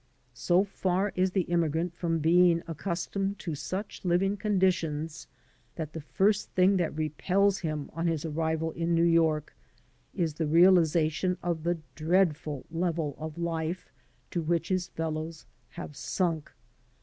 So far is the immigrant from being accustomed to such living conditions that the first thing that repels him on his arrival in New York is the realization of the dreadful level of life to which his fellows have sunk.